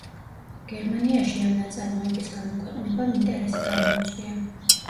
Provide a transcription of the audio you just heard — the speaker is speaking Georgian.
გერმანიაში ამ ნაწარმოების გამოქვეყნებამ ინტერესი გამოიწვია.